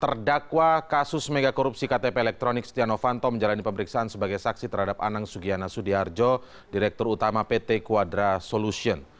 terdakwa kasus mega korupsi ktp elektronik setia novanto menjalani pemeriksaan sebagai saksi terhadap anang sugiyana sudiarjo direktur utama pt kuadra solution